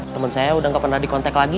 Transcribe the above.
temen saya udah gak pernah di kontek lagi